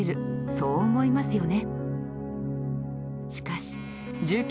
そう思いますよね